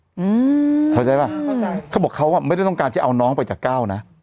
อืมเข้าใจป่ะเข้าใจเขาบอกเขาอ่ะไม่ได้ต้องการจะเอาน้องไปจากเก้านะ